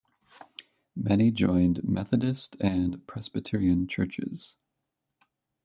Many joined Methodist and Presbyterian churches.